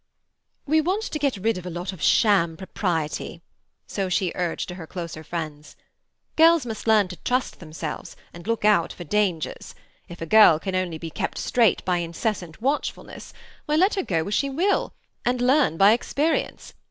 "We want to get rid of a lot of sham propriety"—so she urged to her closer friends. "Girls must learn to trust themselves, and look out for dangers. If a girl can only be kept straight by incessant watchfulness, why, let her go where she will, and learn by experience.